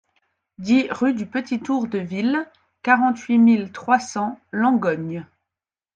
dix rue du Petit Tour de Ville, quarante-huit mille trois cents Langogne